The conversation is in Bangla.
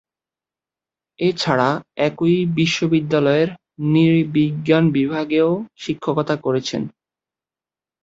এছাড়া একই বিশ্ববিদ্যালয়ের নৃবিজ্ঞান বিভাগেও শিক্ষকতা করেছেন।